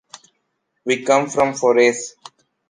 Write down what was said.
We come from Forès.